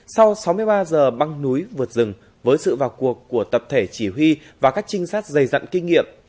sau sáu mươi ba giờ băng núi vượt rừng với sự vào cuộc của tập thể chỉ huy và các trinh sát dày dặn kinh nghiệm